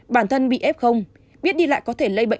bản thân bị f biết đi lại có thể lây bệnh